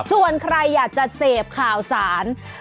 ส่วนใครอยากจะเสพข่าวสาร